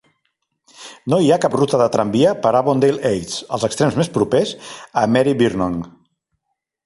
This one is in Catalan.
No hi ha cap ruta de tramvia per Avondale Heights: els extrems més propers a Maribyrnong.